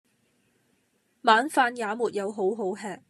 晚飯也沒有好好吃！